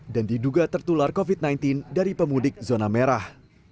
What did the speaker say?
dan diduga tertular covid sembilan belas dari pemudik zona merah